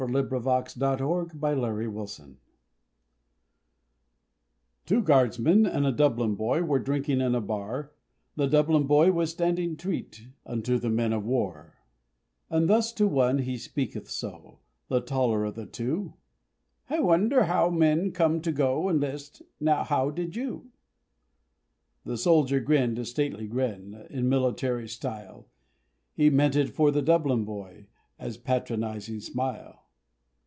[Illustration: HOW THEY ENLIST] TWO guardsmen, and a Dublin boy Were drinking in a bar The Dublin boy was standing treat, Unto the men of War, And thus to one, he speaketh so The taller of the two "I wonder how men come to go And list, now how did you? The soldier grinned a stately grin, In military style, He meant it for the Dublin boy As patronising smile!